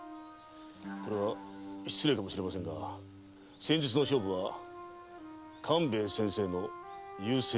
これは失礼かもしれませんが先日の勝負は勘兵衛先生の優勢のようでしたね。